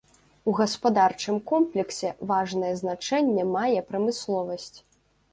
У гаспадарчым комплексе важнае значэнне мае прамысловасць.